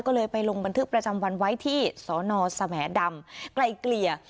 ก็เลยไปลงบันทึกประจำวันไว้ที่สนสแหมดำไกลเกลี่ย